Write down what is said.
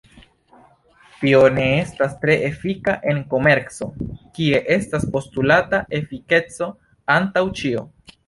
Tio ne estas tre efika en komerco, kie estas postulata efikeco antaŭ ĉio.